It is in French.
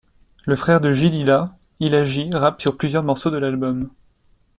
Le frère de J Dilla, Illa J rappe sur plusieurs morceaux de l'album.